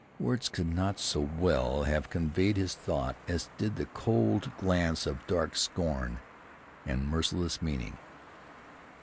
Words could not so well have conveyed his thought as did the cold glance of dark scorn and merciless meaning.